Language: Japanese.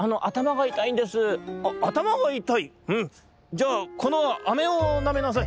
じゃあこのあめをなめなさい。